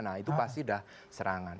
nah itu pasti sudah serangan